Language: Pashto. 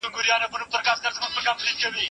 په قلم لیکنه کول د خپل ځان سره د خبرو کولو یو ډول دی.